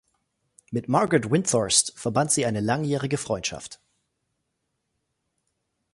Mit Margarete Windthorst verband sie eine langjährige Freundschaft.